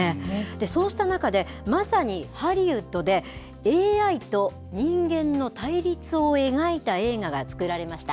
そうした中で、まさにハリウッドで、ＡＩと人間の対立を描いた映画が作られました。